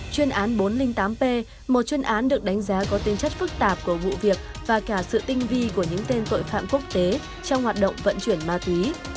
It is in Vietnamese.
chuyên án bốn trăm linh tám p một chuyên án được đánh giá có tính chất phức tạp của vụ việc và cả sự tinh vi của những tên tội phạm quốc tế trong hoạt động vận chuyển ma túy